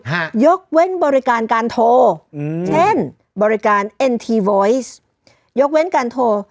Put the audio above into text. ห้ายกเว้นบริการการโทรอืมเช่นบริการยกเว้นการโทร